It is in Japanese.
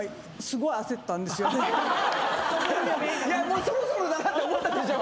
もうそろそろだなって思ったでしょ？